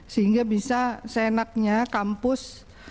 sehingga bisa seenaknya kampus